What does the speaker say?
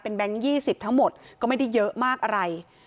เป็นแบงค์๒๐ทั้งหมดก็ไม่ได้เยอะมากอะไร